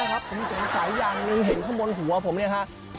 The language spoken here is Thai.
ได้ครับก็มีจนสายอย่างนึงเห็นข้างบนหัวผมเนี่ยนะครับ